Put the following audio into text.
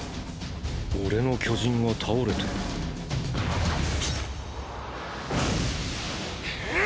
俺の巨人が倒れてーーくっ！！